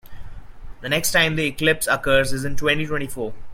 The next time the eclipse occurs is in twenty-twenty-four.